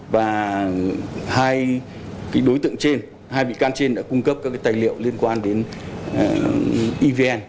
và hai đối tượng trên hai bị can trên đã cung cấp các tài liệu liên quan đến evn